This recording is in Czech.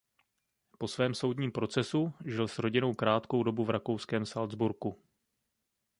Po svém soudním procesu žil s rodinou krátkou dobu v rakouském Salzburgu.